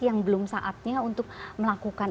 yang belum saatnya untuk melakukan